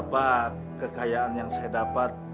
apa kekayaan yang saya dapat